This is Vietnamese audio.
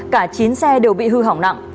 cả chín xe đều bị hư hỏng nặng